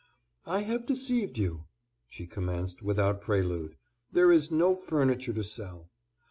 "I have deceived you," she commenced, without prelude, "there is no furniture to sell."